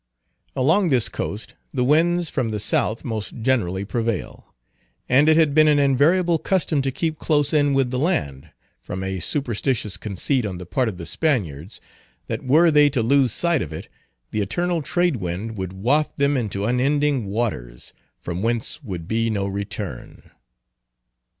Along this coast, the winds from the South most generally prevail; and it had been an invariable custom to keep close in with the land, from a superstitious conceit on the part of the Spaniards, that were they to lose sight of it, the eternal trade wind would waft them into unending waters, from whence would be no return.